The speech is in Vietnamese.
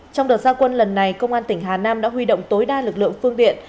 trong đợt gia quân lần này công an tỉnh hà nam đã huy động tối đa lực lượng phương tiện